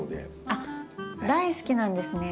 あっ大好きなんですね。